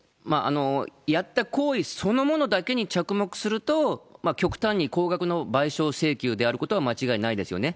やった行為そのものだけに着目すると、極端に高額の賠償請求であることは間違いないですよね。